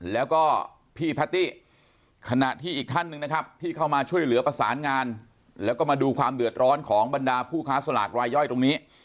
แล้วก็พี่แพตตี้ขณะที่อีกท่านหนึ่งนะครับที่เข้ามาช่วยเหลือประสานงานแล้วก็มาดูความเดือดร้อนของบรรดาผู้ค้าสลากรายย่อยตรงนี้